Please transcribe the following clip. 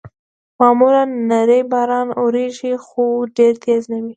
معمولاً نری باران اورېږي، خو ډېر تېز نه وي.